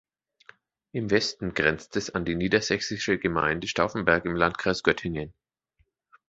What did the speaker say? Im Westen grenzt es an die niedersächsische Gemeinde Staufenberg im Landkreis Göttingen.